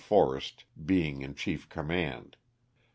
Forrest being in chief command.